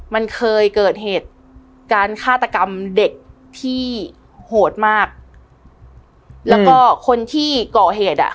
มันเคยเกิดเหตุการฆาตกรรมเด็กที่โหดมากแล้วก็คนที่ก่อเหตุอ่ะ